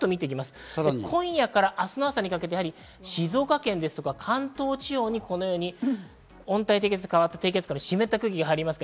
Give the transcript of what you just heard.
今夜から明日の朝にかけて静岡県とか関東地方にこのように温帯低気圧に変わった低気圧から湿った空気が入ります。